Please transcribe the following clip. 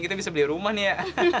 kita bisa beli rumah nih ya